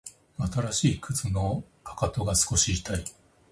新しい靴のかかとが少し痛い